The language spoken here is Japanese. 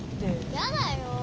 やだよ。